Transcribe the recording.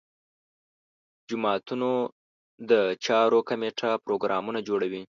جوماتونو د چارو کمیټه پروګرامونه جوړوي.